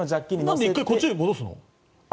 なんで１回こっちに戻すの？